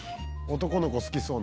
男の子好きそうな。